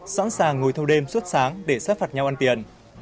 sẵn sàng ngồi thâu đêm suốt sáng để sát phạt nhau ăn tiền